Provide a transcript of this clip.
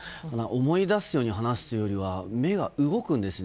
思い出すように話すというよりは目が動くんですね。